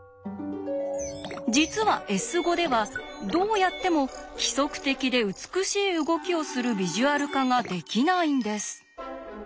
実は「Ｓ」ではどうやっても規則的で美しい動きをするビジュアル化ができないんです。